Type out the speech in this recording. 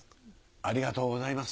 ありがとうございます。